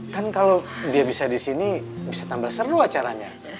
kan kalau dia bisa di sini bisa tambah seru acaranya